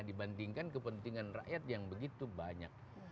dibandingkan kepentingan rakyat yang begitu banyak